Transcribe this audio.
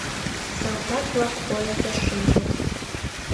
Салтак-влак поездыш шинчыт.